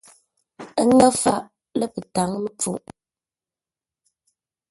Ə́ ŋə́ faʼ lə̂ pətǎŋ-məpfuʼ.